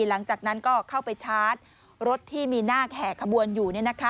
หลังจากนั้นก็เข้าไปชาร์จรถที่มีหน้าแห่ขบวนอยู่